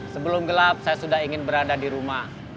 sebelum gelap saya sudah ingin berada di rumah